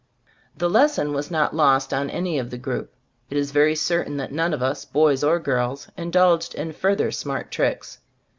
The lesson was not lost on any of the group. It is very certain that none of us, boys or girls, 'indulged in 64 tlbe Story of Ay GbUftboob further smart tricks.